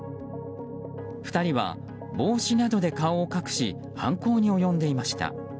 ２人は帽子などで顔を隠し犯行に及んでいました。